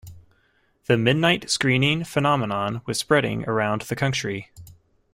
The midnight screening phenomenon was spreading around the country.